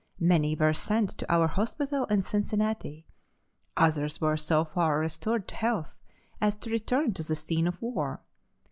Many were sent to our hospital in Cincinnati. Others were so far restored to health as to return to the scene of war.